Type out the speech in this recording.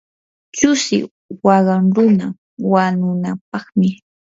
chusiq waqan runa wanunampaqmi.